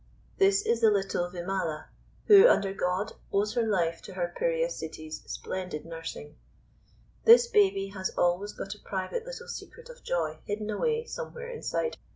This is the little Vimala, who, under God, owes her life to her Piria Sittie's splendid nursing. This baby has always got a private little secret of joy hidden away somewhere inside.